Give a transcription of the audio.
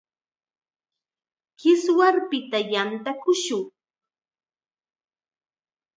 Kiswarpita yantakushun.